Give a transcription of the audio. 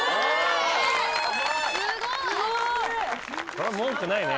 これ文句ないね。